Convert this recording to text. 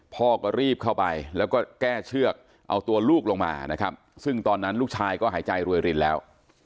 พ่อก็รีบเข้าไปแล้วก็แก้เชือกเอาตัวลูกลงมานะครับซึ่งตอนนั้นลูกชายก็หายใจรวยรินแล้ว